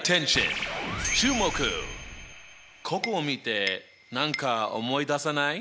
ここを見て何か思い出さない？